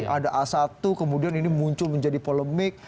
ada a satu kemudian ini muncul menjadi polemik